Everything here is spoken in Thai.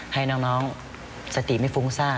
ให้น้องสติไม่ฟุ้งซ่า